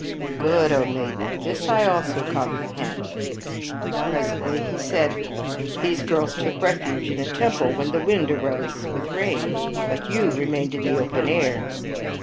" Good, O maiden ; this also I comprehend." Presently he said, " These girls took refuge in a temple when the wind arose with rain, but you remained in the open air."